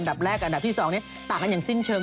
อันดับแรกอันดับที่๒ต่างกันอย่างสิ้นเชิง